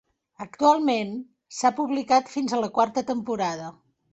Actualment, s'ha publicat fins a la quarta temporada.